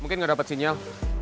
mungkin gak dapet sinyal